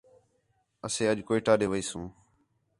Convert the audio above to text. اَسے اَڄ کوئٹہ دے ویسوں